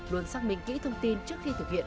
luôn xác minh kỹ thông tin trước khi thực hiện